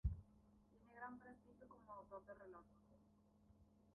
Tiene gran prestigio como autor de relatos.